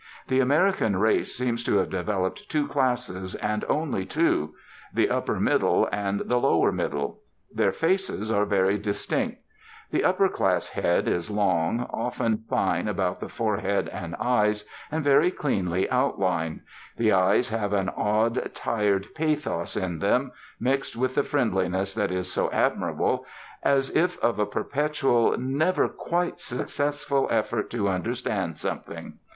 The American race seems to have developed two classes, and only two, the upper middle and the lower middle. Their faces are very distinct. The upper class head is long, often fine about the forehead and eyes, and very cleanly outlined. The eyes have an odd, tired pathos in them mixed with the friendliness that is so admirable as if of a perpetual never quite successful effort to understand something.